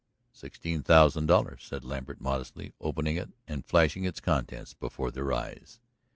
"Sixteen thousand dollars," said Lambert, modestly, opening it and flashing its contents before their eyes.